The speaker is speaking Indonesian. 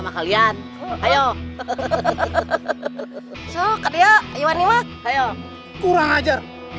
sampai jumpa di video selanjutnya